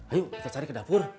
ayo kita cari ke dapur